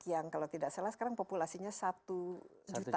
yang kalau tidak salah sekarang populasinya satu juta